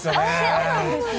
そうなんですね。